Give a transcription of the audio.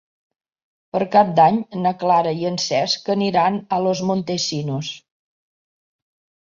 Per Cap d'Any na Clara i en Cesc aniran a Los Montesinos.